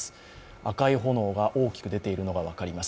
赤い炎が大きく出ているのが分かります。